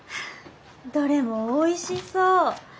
どれもおいしそう。